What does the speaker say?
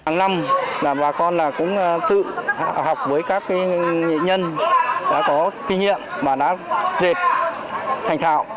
hàng năm là bà con cũng tự học với các nghệ nhân đã có kinh nghiệm và đã dệt thành thạo